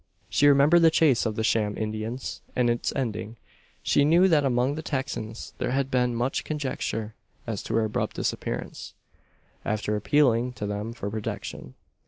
She remembered the chase of the sham Indians, and its ending. She knew that among the Texans there had been much conjecture as to her abrupt disappearance, after appealing to them for protection.